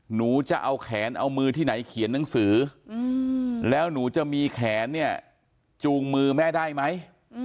หนูจะเอาแขนเอามือที่ไหนเขียนหนังสือแล้วหนูจะมีแขนเนี่ยจูงมือแม่ได้ไหม